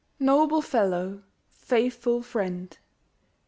Noble fellow, faithful friend!